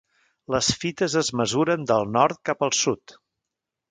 Les fites es mesuren del nord cap al sud.